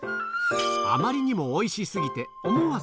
あまりにもおいしすぎて、思わず。